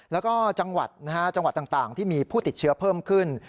แล้วก็จังหวัดนะฮะจังหวัดต่างที่มีผู้ติดเชื้อเพิ่มขึ้น